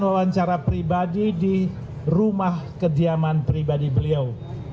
wawancara pribadi di rumah kediaman pribadi beliau